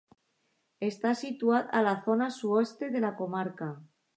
Està situat a la zona sud-oest de la comarca.